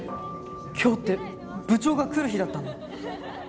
今日って部長が来る日だったの！？